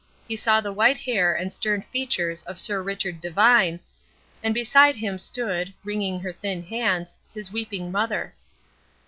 He saw the white hair and stern features of Sir Richard Devine, and beside him stood, wringing her thin hands, his weeping mother.